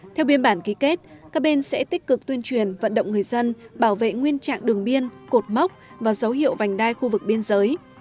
theo biên bản ký kết các bên sẽ tích cực tuyên truyền vận động người dân bảo vệ nguyên trạng đường biên cột mốc và dấu hiệu vành đai khu vực biên giới